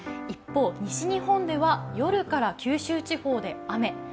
一方、西日本では夜から九州地方で雨。